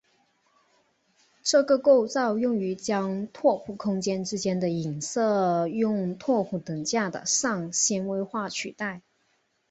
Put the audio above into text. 这个构造用于将拓扑空间之间的映射用拓扑等价的上纤维化取代。